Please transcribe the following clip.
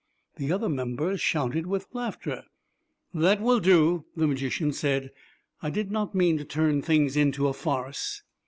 The other members shouted with laughter. "That will do," the magician said. "I did not mean to turn things into a farce."